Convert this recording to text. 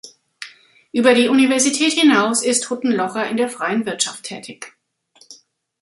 Über die Universität hinaus ist Huttenlocher in der freien Wirtschaft tätig.